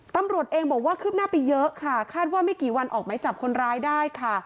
ตำรวจเองบอกว่าคืบหน้าไปเยอะค่ะคาดว่าไม่กี่วันออกไหมจับคนร้ายได้ค่ะ